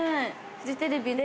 フジテレビで。